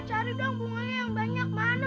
cari dong bunganya yang banyak mana